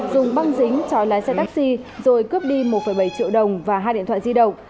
dùng băng dính chói lái xe taxi rồi cướp đi một bảy triệu đồng và hai điện thoại di động